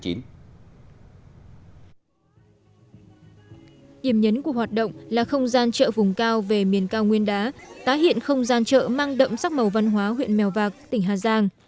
điểm nhấn của hoạt động là không gian chợ vùng cao về miền cao nguyên đá tá hiện không gian chợ mang đậm sắc màu văn hóa huyện mèo vạc tỉnh hà giang